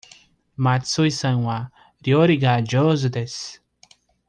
松井さんは料理が上手です。